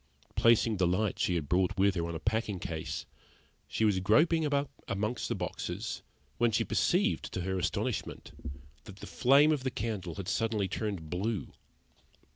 Placing the light she had brought with her on a packing case, she was groping about among the boxes, when she perceived, to her astonishment, that the flame of the candle had suddenly turned blue.